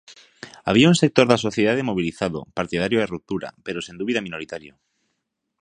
Había un sector da sociedade mobilizado, partidario da ruptura, pero sen dúbida minoritario.